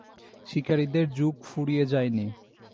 শিকারীদের যুগ ফুরিয়ে যায়নি।